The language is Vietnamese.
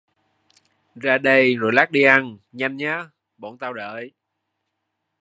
ra đây rồi lát đi ăn, nhanh nhá, bọn tao đợi